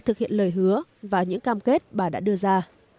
thực hiện lời hứa và những cam kết bà đã đưa ra